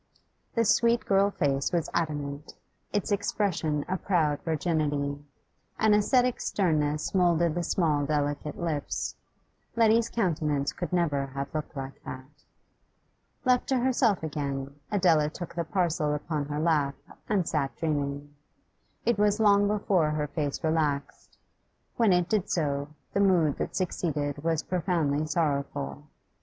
The sweet girl face was adamant, its expression a proud virginity; an ascetic sternness moulded the small, delicate lips. Letty's countenance could never have looked like that. Left to herself again, Adela took the parcel upon her lap and sat dreaming. It was long before her face relaxed; when it did so, the mood that succeeded was profoundly sorrowful.